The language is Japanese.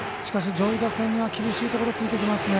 上位打線には厳しいところ突いてきますね。